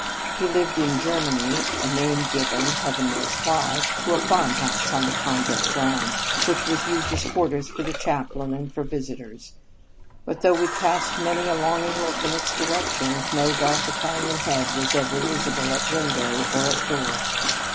He lived in " Germany," a name given, Heaven knows why, to a farm house on the convent grounds, which was used as quarters for the chaplain and for visitors ; but though we cast many a longing look in its direction, no dark Italian head was ever visible at window or at door.